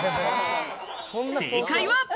正解は。